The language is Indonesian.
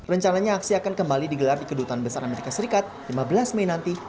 rencananya aksi akan kembali digelar di kedutaan besar amerika serikat lima belas mei nanti